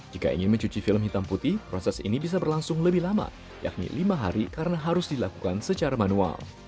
jika ingin mencuci film hitam putih proses ini bisa berlangsung lebih lama yakni lima hari karena harus dilakukan secara manual